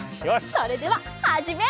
それでははじめ！